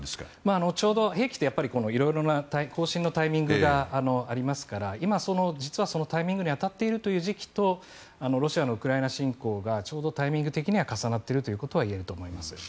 兵器って色々更新のタイミングがありますから今、そのタイミングに当たっているという時期とロシアのウクライナ侵攻がちょうどタイミング的には重なっているということは言えると思います。